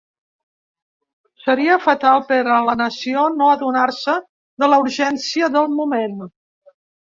Seria fatal per a la nació no adonar-se de la urgència del moment.